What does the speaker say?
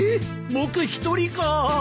僕１人か。